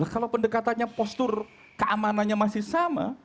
kalau pendekatannya postur keamanannya masih sama